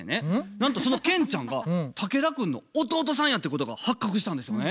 なんとそのケンちゃんが竹田くんの弟さんやってことが発覚したんですよね。